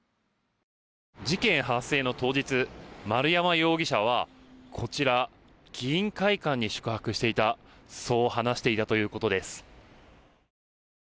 事件発生の当日丸山容疑者はこちら、議員会館に宿泊していたそう話していたということです。